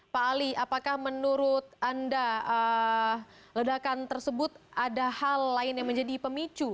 pak ali apakah menurut anda ledakan tersebut ada hal lain yang menjadi pemicu